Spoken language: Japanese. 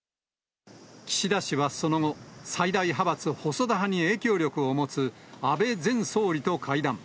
岸田氏はその後、最大派閥、細田派に影響力を持つ安倍前総理と会談。